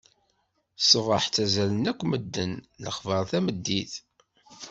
Sebeḥ ttazalen akk medden, lexbaṛ tameddit.